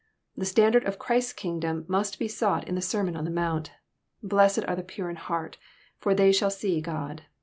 The standard of Christ's kingdom must be sought in the sermon on the Mount :'^ Blessed are the pure in heart, for they shall see God."